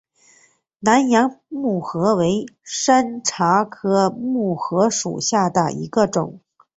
南洋木荷为山茶科木荷属下的一个种。